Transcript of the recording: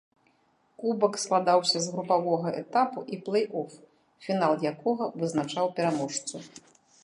Кубак складаўся з групавога этапу і плэй-оф, фінал якога вызначаў пераможцу.